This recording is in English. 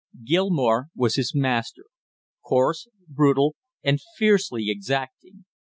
Gilmore was his master, coarse, brutal, and fiercely exacting.